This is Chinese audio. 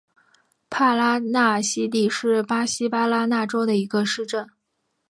帕拉纳西蒂是巴西巴拉那州的一个市镇。